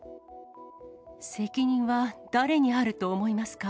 責任は誰にあると思いますか。